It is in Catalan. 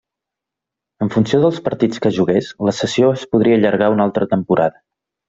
En funció dels partits que jugués, la cessió es podria allargar una altra temporada.